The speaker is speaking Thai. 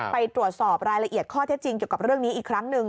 ไปตรวจสอบรายละเอียดข้อเท็จจริงเกี่ยวกับเรื่องนี้อีกครั้งหนึ่ง